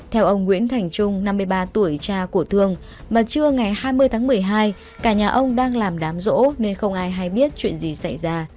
theo ông nguyễn thành trung năm mươi ba tuổi cha của thương mà trưa ngày hai mươi tháng một mươi hai cả nhà ông đang làm đám rỗ nên không ai hay biết chuyện gì xảy ra